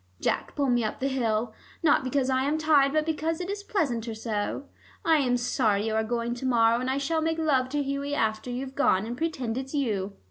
Jack, pull me up the hill, not because I am tired, but because it is pleasanter so. I am sorry you are going to morrow, and I shall make love to Hughie after you've gone and pretend it's you.